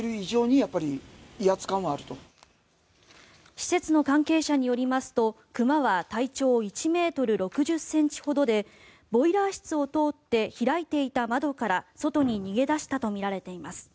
施設の関係者によりますと熊は体長１ｍ６０ｃｍほどでボイラー室を通って開いていた窓から外に逃げ出したとみられています。